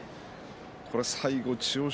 最後、千代翔